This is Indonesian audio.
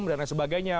dan lain sebagainya